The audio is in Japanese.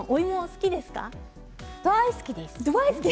大好きです。